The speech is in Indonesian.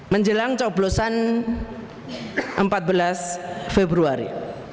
menjelang coblosan empat belas februari